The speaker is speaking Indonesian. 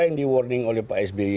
yang di warning oleh pak sby